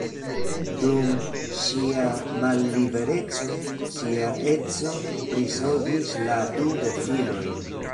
Dum ŝia mallibereco ŝia edzo prizorgis la du gefilojn.